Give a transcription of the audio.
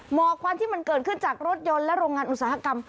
หมอกควันที่มันเกิดขึ้นจากรถยนต์และโรงงานอุตสาหกรรม